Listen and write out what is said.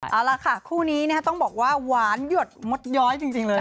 เอาล่ะค่ะคู่นี้ต้องบอกว่าหวานหยดมดย้อยจริงเลย